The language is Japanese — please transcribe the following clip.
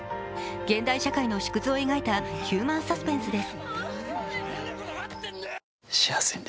現代社会の縮図を描いたヒューマンサスペンスです。